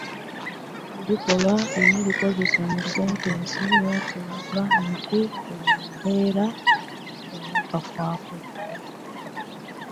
Ebikolwa bino bikozese mu sentensi ng’olaga nti biri mu mbeera ey’akakwakkulizo.